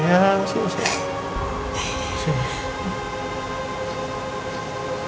ini adalah molly karir terkutuk diri satu tahun